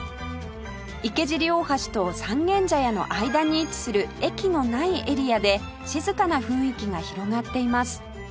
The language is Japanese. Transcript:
池尻大橋と三軒茶屋の間に位置する駅のないエリアで静かな雰囲気が広がっています